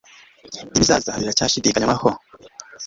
Ibizaza biracyashidikanywaho